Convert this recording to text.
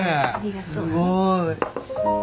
すごい！